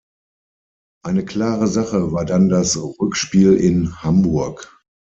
Eine klare Sache war dann das Rückspiel in Hamburg.